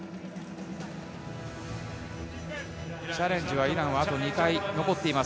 チャレンジは、イランはあと２回残っています。